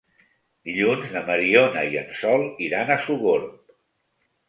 Dilluns na Mariona i en Sol iran a Sogorb.